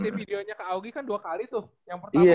udah ke aogi kan dua kali tuh yang pertama